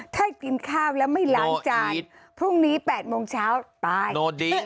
ถ้ากินข้าวแล้วไม่หลังจาน